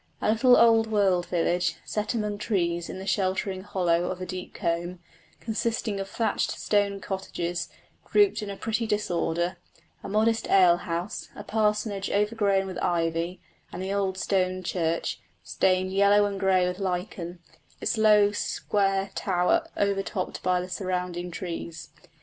A little old world village, set among trees in the sheltering hollow of a deep coombe, consisting of thatched stone cottages, grouped in a pretty disorder; a modest ale house; a parsonage overgrown with ivy; and the old stone church, stained yellow and grey with lichen, its low square tower overtopped by the surrounding trees.